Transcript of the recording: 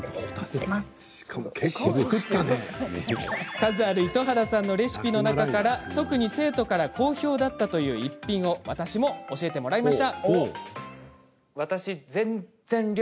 数ある糸原さんのレシピの中から特に生徒から好評だったという一品を私、浅井が教わります。